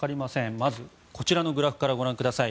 まず、こちらのグラフからご覧ください。